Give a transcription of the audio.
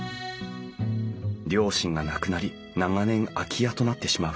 両親が亡くなり長年空き家となってしまう。